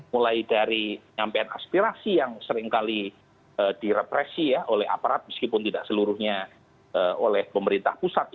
mulai dari nyampean aspirasi yang seringkali direpresi ya oleh aparat meskipun tidak seluruhnya oleh pemerintah pusat